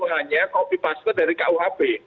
hanya copy paste dari kuhp